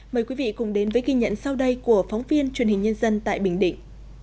mời quý vị cùng đến với ghi nhận sau đây của phóng viên truyền hình nhân dân tại bình định